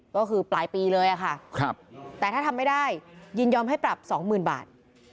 ก็คือปลายปีเลยค่ะแต่ถ้าทำไม่ได้ยินยอมให้ปรับ๒๐๐๐บาท